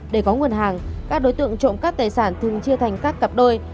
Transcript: để có nguồn hàng các đối tượng trộm cắp tài sản thường chia thành các cặp đôi